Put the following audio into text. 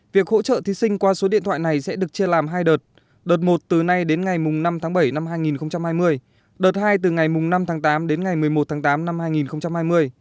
việc hỗ trợ thí sinh qua số điện thoại này sẽ được chia làm hai đợt đợt một từ nay đến ngày năm tháng bảy năm hai nghìn hai mươi đợt hai từ ngày năm tháng tám đến ngày một mươi một tháng tám năm hai nghìn hai mươi